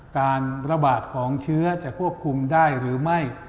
การระบาดของเชื้อจะควบคุมได้หรือไม่